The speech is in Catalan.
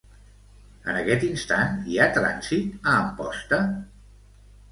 En aquest instant hi ha trànsit a Amposta?